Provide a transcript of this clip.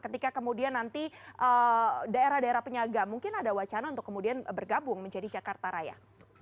ketika kemudian nanti daerah daerah penyaga mungkin ada wacana untuk kemudian bergabung menjadi jakarta raya